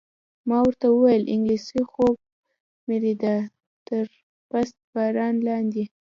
ما ورته وویل: انګلېسي خوب مې لیده، تر پست باران لاندې.